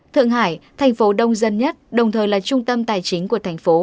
thượng hải thành phố đông dân nhất đồng thời là trung tâm tài chính của thành phố